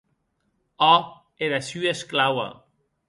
Òc, era sua esclaua!